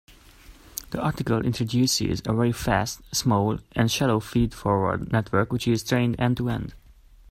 The article introduces a very fast, small, and shallow feed-forward network which is trained end-to-end.